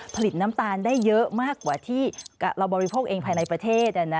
ผลิตน้ำตาลได้เยอะมากกว่าที่เราบริโภคเองภายในประเทศ